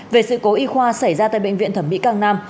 về sự cố y khoa xảy ra tại bệnh viện thẩm mỹ cang nam